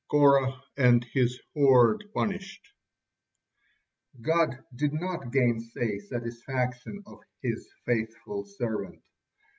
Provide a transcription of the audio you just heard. KORAH AND HIS HORDE PUNISHED God did not gainsay satisfaction of His faithful servant.